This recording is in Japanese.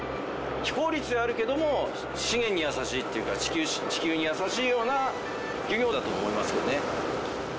非効率ではあるけども資源に優しいというか地球に優しいような漁業だと思いますけどね。